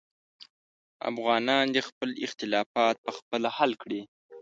افغانان دې خپل اختلافات پخپله حل کړي.